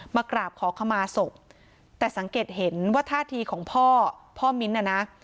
มากราบขอขมาศพแต่สังเกตเห็นว่าท่าทีของพ่อพ่อมิ้นท์น่ะนะ